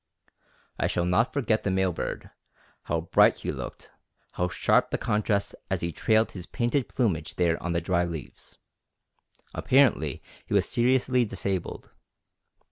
I shall not forget the male bird, how bright he looked, how sharp the contrast as he trailed his painted plumage there on the dry leaves. Apparently he was seriously disabled.